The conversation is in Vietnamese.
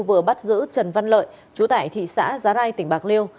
vừa bắt giữ trần văn lợi chú tại thị xã giá rai tỉnh bạc liêu